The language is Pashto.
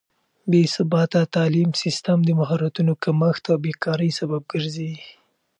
بې ثباته تعليم سيستم د مهارتونو کمښت او بې کارۍ سبب ګرځي.